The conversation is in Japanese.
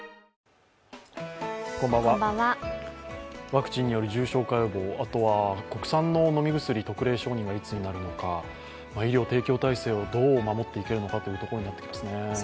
ワクチンによる重症化予防、あとは国産の飲み薬の特例承認がいつになるのか、医療提供体制をどう守っていけるかですね。